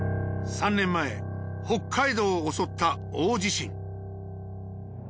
３年前北海道を襲った大地震